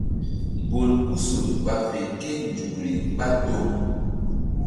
Bolkusol ɓa fe kénzukri ɓá toŋ.